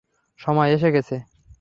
সময় এসে গেছে!